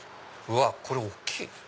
これ大きい！